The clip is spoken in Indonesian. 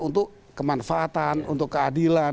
untuk kemanfaatan untuk keadilan